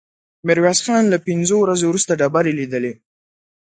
ميرويس خان له پنځو ورځو وروسته ډبرې ليدلې.